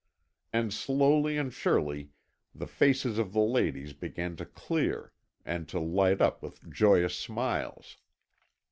And slowly and surely the faces of the ladies began to clear and to light up with joyous smiles.